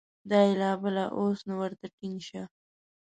دا یې لا بله ، اوس نو ورته ټینګ شه !